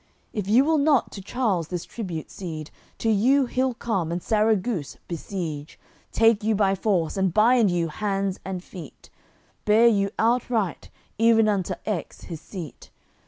If you will not to Charles this tribute cede, To you he'll come, and Sarraguce besiege; Take you by force, and bind you hands and feet, Bear you outright ev'n unto Aix his seat.